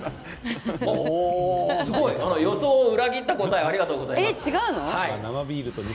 予想を裏切った答えありがとうございます。